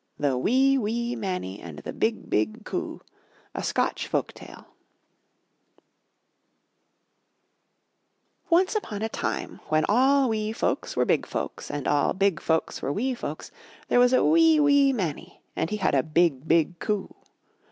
THE WEE, WEE MANNIE AND THE BIG, BIG COO A Scotch Folk Tale Once upon a time when all wee folks were big folks and all big folks were wee folks, there was a wee, wee Mannie and he had a BIG, BIG COO.